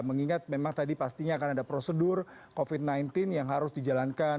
mengingat memang tadi pastinya akan ada prosedur covid sembilan belas yang harus dijalankan